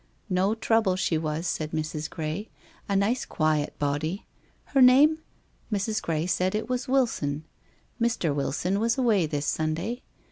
No trouble she was, said Mrs. Gray. A nice quiet body. Her name? Mrs. Gray said it was Wilson. Mr. Wilson was away this Sunday.